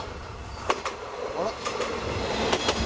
あら？